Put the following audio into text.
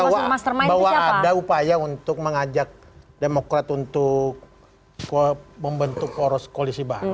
jadi memang menyampaikan bahwa ada upaya untuk mengajak demokrat untuk membentuk koalisi baru